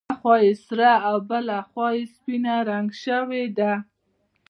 یوه خوا یې سره او بله خوا یې سپینه رنګ شوې ده.